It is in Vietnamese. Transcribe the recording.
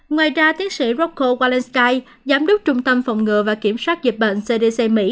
ngoài ra tiến sĩ rocco walensky giám đốc trung tâm phòng ngừa và kiểm soát dịch bệnh cdc mỹ